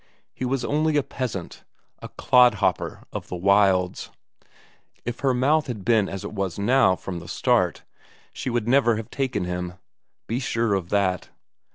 He was only a peasant, a clodhopper of the wilds; if her mouth had been as it was now from the start she would never have taken him; be sure of that.